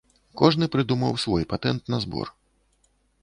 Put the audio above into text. Кожны прыдумаў свой патэнт на збор.